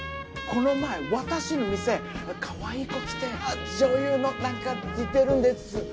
この前私の店かわいい子来て女優のなんか似てるんです。